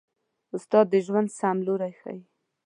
استاد د ژوند سم لوری ښيي.